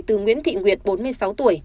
từ nguyễn thị nguyệt bốn mươi sáu tuổi